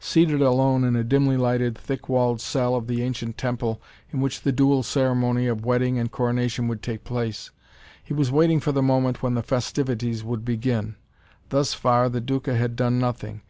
Seated alone in a dimly lighted, thick walled cell of the ancient temple in which the dual ceremony of wedding and coronation would take place, he was waiting for the moment when the festivities would begin. Thus far the Duca had done nothing.